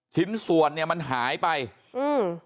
ชิ้นส่วนเนี้ยมันหายไปอืม